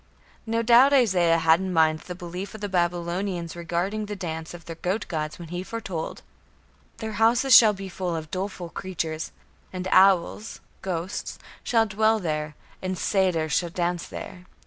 No doubt, Isaiah had in mind the belief of the Babylonians regarding the dance of their goat gods when he foretold: "Their houses shall be full of doleful creatures; and owls (ghosts) shall dwell there, and satyrs shall dance there".